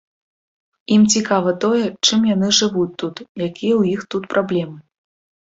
Ім цікава тое, чым яны жывуць тут, якія ў іх тут праблемы.